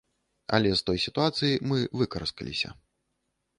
Але з той сітуацыі мы выкараскаліся.